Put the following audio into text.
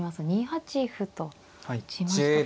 ２八歩と打ちました。